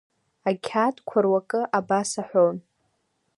Ақьаадқәа руакы абас аҳәон…